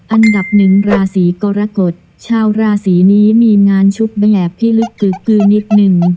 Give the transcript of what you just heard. อันดับหนึ่งราศีกรกฎชาวราศีนี้มีงานชุบแบบพิลึกกือนิดนึง